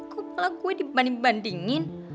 kok malah gue dibanding banding